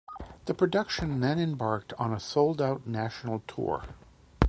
The production then embarked on a sold out national tour.